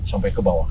sampai ke bawah